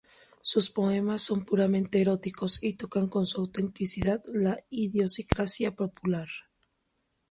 Sus poemas son puramente eróticos y tocan con su autenticidad la idiosincrasia popular.